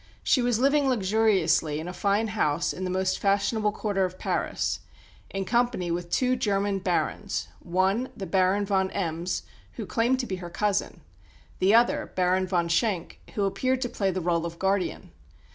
She was living luxuriously in a fine house in the most fashionable quarter of Paris, in company with two German "Barons" one, the Baron von Embs, who claimed to be her cousin; the other, Baron von Schenk, who appeared to play the rôle of guardian.